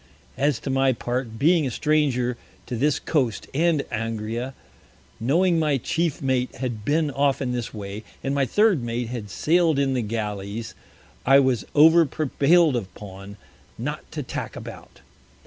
As to my Part, being a Stranger to this Coast and Angria, knowing my Chief Mate had been often this Way, and my Third Mate had sail'd in the Gallies, I was over prevail'd upon not to tack about.